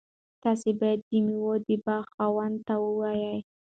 تاسي باید د میوو د باغ خاوند ته ووایئ.